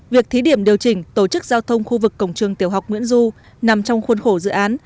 việc thí điểm điều chỉnh tổ chức giao thông khu vực cổng trường tiểu học nguyễn du nằm trong khuôn khổ dự án